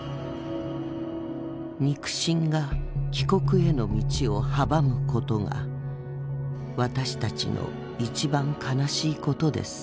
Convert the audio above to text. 「肉親が帰国への道を阻む事が私たちの一番悲しい事です」。